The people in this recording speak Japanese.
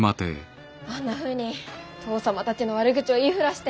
あんなふうに父さまたちの悪口を言いふらして。